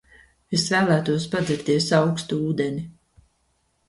Es vēlētos padzerties aukstu ūdeni.